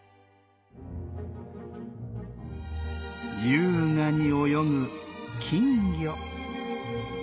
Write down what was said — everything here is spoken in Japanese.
優雅に泳ぐ金魚。